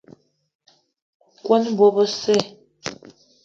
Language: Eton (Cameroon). Kone bo besse